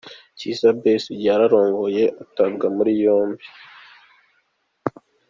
Kizza Besigye yarongeye atabwa muri yombi.